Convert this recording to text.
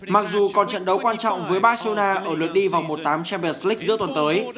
mặc dù còn trận đấu quan trọng với barcelona ở lượt đi vòng một tám champions leaght giữa tuần tới